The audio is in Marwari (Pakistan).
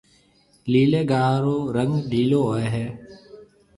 ليلي گاها رو رنگ ليلو هوئي هيَ۔